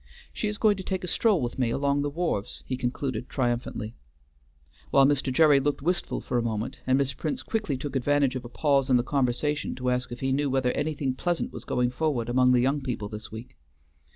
She is going to take a stroll with me along the wharves," he concluded triumphantly. While Mr. Gerry looked wistful for a moment, and Miss Prince quickly took advantage of a pause in the conversation to ask if he knew whether anything pleasant was going forward among the young people this week.